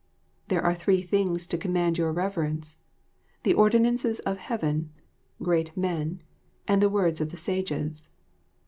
There are three things to command your reverence: The ordinances of Heaven, Great men, and the words of the sages.